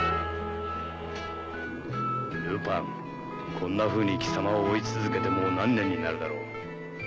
こんなふうに貴様を追い続けてもう何年になるだろう